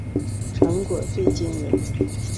成果最惊人